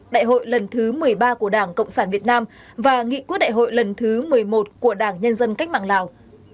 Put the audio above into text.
đại hội lần thứ một mươi ba của đảng cộng sản việt nam và nghị quyết đại hội lần thứ một mươi một của đảng nhân dân cách mạng lào